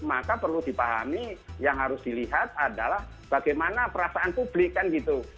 maka perlu dipahami yang harus dilihat adalah bagaimana perasaan publik kan gitu